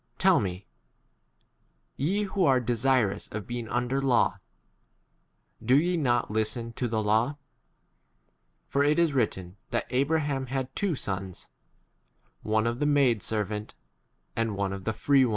Tell me, ye who are desirous of being under law, do ye not listen to the 22 law ? For it is written that Abra ham had two sons ; one of the maid 2 servant, and one of the free Slo.